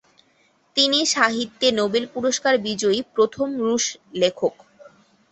তিনি সাহিত্যে নোবেল পুরস্কার বিজয়ী প্রথম রুশ লেখক।